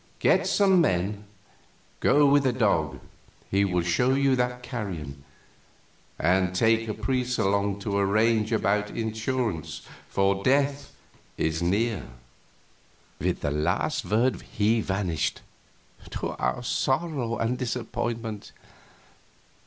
"Get some men; go with the dog he will show you that carrion; and take a priest along to arrange about insurance, for death is near." With the last word he vanished, to our sorrow and disappointment.